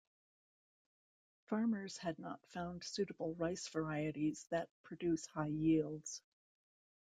Farmers had not found suitable rice varieties that produce high yields.